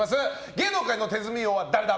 芸能界の手積み王は誰だ！？